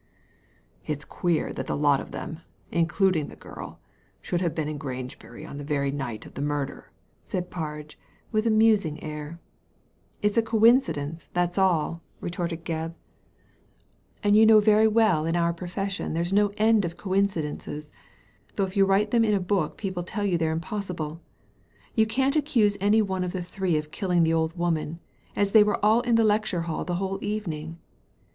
" It is queer that the lot of them, including the girl, should have been in Grangebury on the very night of the murder," said Parge, with a musing air. "It's a coincidence, that's all," retorted Gebb, Digitized by Google 196 THE LADY FROM NOWHERE " and you know very well in our profession there's no end of coincidences, though if you write them in a book people tell you they're impossible. You can't accuse any one of the three of killing the old woman, as they were all in the lecture hall the whole evening.